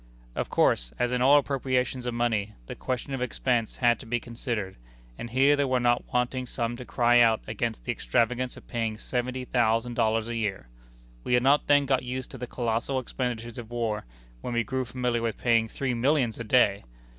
Of course, as in all appropriations of money, the question of expense had to be considered, and here there were not wanting some to cry out against the extravagance of paying seventy thousand dollars a year! We had not then got used to the colossal expenditures of war, when we grew familiar with paying three millions a day!